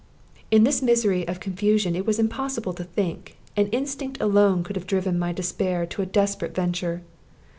In this misery of confusion it was impossible to think, and instinct alone could have driven my despair to a desperate venture.